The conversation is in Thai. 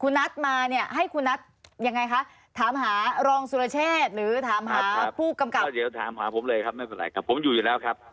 คุณนัทว่าเรื่องราวเป็นอย่างไรถามว่าคุณนัทปะแน่ใจครับ